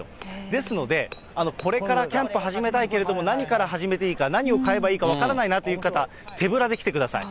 ですので、これからキャンプ始めたいけれども、何から始めていいか、何を買えばいいか分からないなという方、手ぶらで来てください。